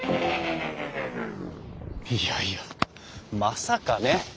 いやいやまさかね。